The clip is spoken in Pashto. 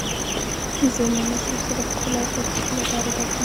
زه له نصیب سره پخلا تر خپله داره درځم